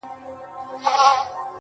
پاچا لگیا دی وه زاړه کابل ته رنگ ورکوي.